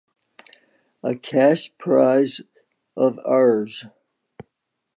A cash prize of Rs.